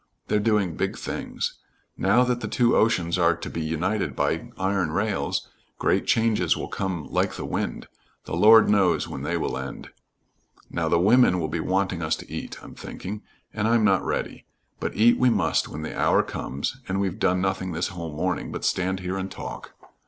They're doing big things. Now that the two oceans are to be united by iron rails, great changes will come like the wind, the Lord knows when they will end! Now, the women will be wanting us to eat, I'm thinking, and I'm not ready but eat we must when the hour comes, and we've done nothing this whole morning but stand here and talk."